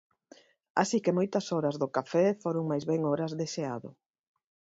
Así que moitas horas do café foron máis ben horas de xeado.